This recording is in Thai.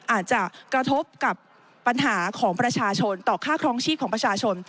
อาจจะกระทบกับปัญหาของประชาชนต่อค่าครองชีพของประชาชน